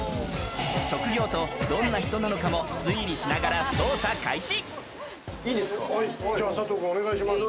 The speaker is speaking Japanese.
職業とどんな人なのかも推理しながら捜査開始。